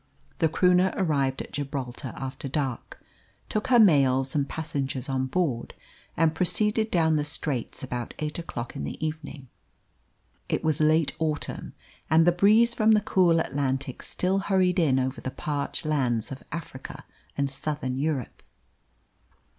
The Croonah arrived at Gibraltar after dark, took her mails and passengers on board, and proceeded down the Straits about eight o'clock in the evening. It was late autumn, and the breeze from the cool Atlantic still hurried in over the parched lands of Africa and Southern Europe.